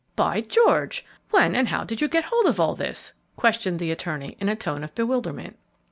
"By George! when and how did you get hold of all this?" questioned the attorney, in a tone of bewilderment.